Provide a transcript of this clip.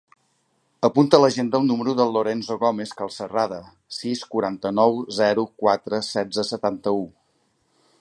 Apunta a l'agenda el número del Lorenzo Gomez Calcerrada: sis, quaranta-nou, zero, quatre, setze, setanta-u.